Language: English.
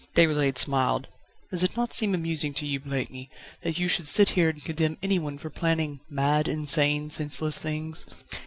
Déroulède smiled. "Does it not seem amusing to you, Blakeney, that you should sit there and condemn anyone for planning mad, insane, senseless things."